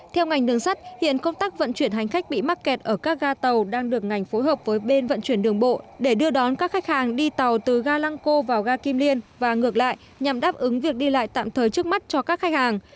theo ngành đường sắt hiện công tác vận chuyển hành khách bị mắc kẹt ở các ga tàu đang được ngành phối hợp với bên vận chuyển đường bộ để đưa đón các khách hàng đi tàu từ ga lăng cô vào ga kim liên và ngược lại nhằm đáp ứng việc đi lại tạm thời trước mắt cho các khách hàng